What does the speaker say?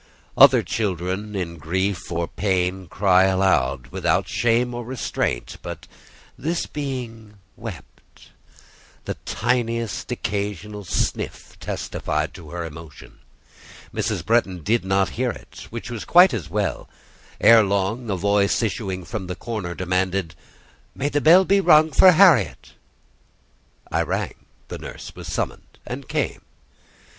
Other children in grief or pain cry aloud, without shame or restraint; but this being wept: the tiniest occasional sniff testified to her emotion. Mrs. Bretton did not hear it: which was quite as well. Ere long, a voice, issuing from the corner, demanded—"May the bell be rung for Harriet!" I rang; the nurse was summoned and came.